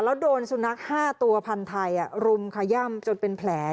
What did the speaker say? แล้วโดนสุนัข๕ตัวพันธุ์ไทยรุมขย่ำจนเป็นแผล